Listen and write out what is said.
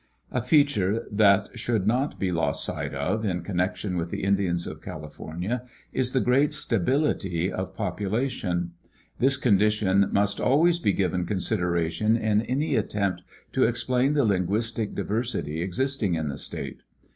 A feature that should not be lost sight of in connection with the Indians of California is the great stability of population. This condition must always be given consideration in any attempt to explain the linguistic diversity existing in the state.